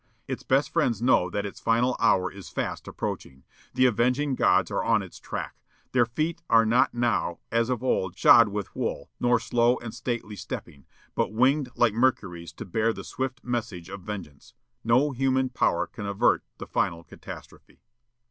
Its best friends know that its final hour is fast approaching. The avenging gods are on its track. Their feet are not now, as of old, shod with wool, nor slow and stately stepping, but winged like Mercury's to bear the swift message of vengeance. No human power can avert the final catastrophe."